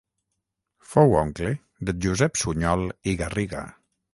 Fou oncle de Josep Sunyol i Garriga.